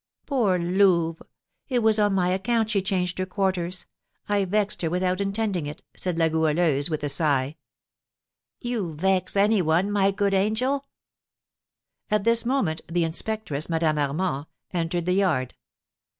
"Poor Louve! It was on my account she changed her quarters; I vexed her without intending it," said La Goualeuse, with a sigh. "You vex any one, my good angel?" At this moment, the inspectress, Madame Armand, entered the yard.